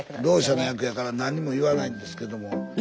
ろう者の役やからなんにも言わないんですけども。